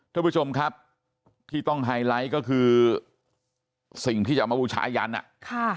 ท่านผู้ชมครับที่ต้องไฮไลท์ก็คือสิ่งที่จะเอามาบูชายันอ่ะค่ะ